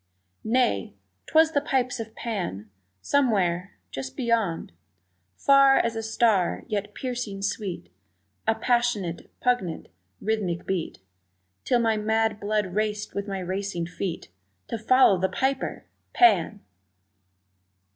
Nay, 'twas the pipes of Pan! Somewhere just beyond Far as a star, yet piercing sweet, A passionate, poignant, rhythmic beat Till my mad blood raced with my racing feet To follow the piper Pan!